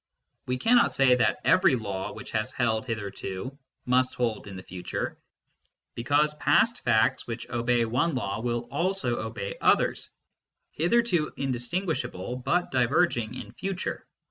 We cannot say that every law which has held hitherto must hold in the future, because past facts which obey one law will also obey others, hitherto indistinguishable but diverging in future.